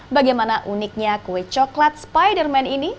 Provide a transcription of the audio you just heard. bagaimana uniknya kue coklat spider man ini